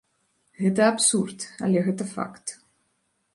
Гэта абсурд, але гэта факт.